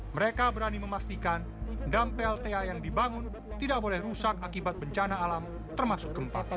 mereka berani memastikan dam plta yang dibangun tidak boleh rusak akibat bencana alam termasuk gempa tanah